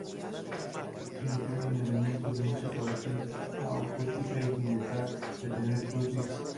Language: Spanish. Se incluyen elementos de música acústica, sin dejar de tener Club Beats.